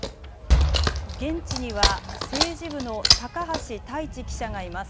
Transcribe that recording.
現地には政治部の高橋太一記者がいます。